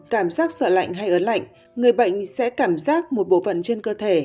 cảm giác sợ lạnh hay ớn lạnh người bệnh sẽ cảm giác một bộ phận trên cơ thể